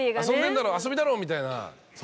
「遊んでんだろ遊びだろ」みたいな。